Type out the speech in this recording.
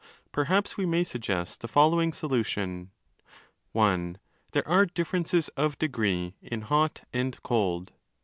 Perhaps we may suggest the following solution. (i) There are differences of degree in hot and cold.